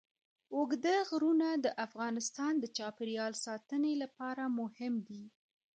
اوږده غرونه د افغانستان د چاپیریال ساتنې لپاره مهم دي.